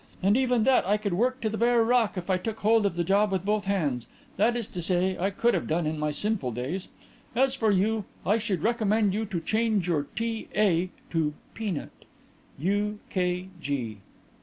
And even that I could work to the bare rock if I took hold of the job with both hands that is to say I could have done in my sinful days. As for you, I should recommend you to change your T. A. to 'Peanut.' "U. K. G."